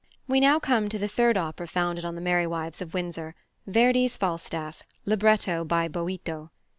We now come to the third opera founded on The Merry Wives of Windsor, +Verdi's+ Falstaff, libretto by Boito.